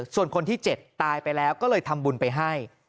ส่วนคนที่๗ตายไปแล้วก็เลยทำบุญไปให้